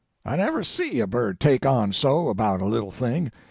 I never see a bird take on so about a little thing.